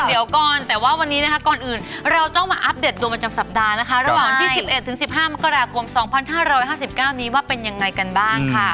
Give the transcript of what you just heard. เดี๋ยวก่อนแต่ว่าวันนี้นะคะก่อนอื่นเราต้องมาอัปเดตดวงประจำสัปดาห์นะคะระหว่างที่๑๑ถึง๑๕มกราคม๒๕๕๙นี้ว่าเป็นยังไงกันบ้างค่ะ